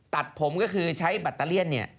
ตัดผมก็คือใช้บัตเตอร์เลี่ยน